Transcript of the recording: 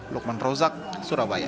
lokman rauzak surabaya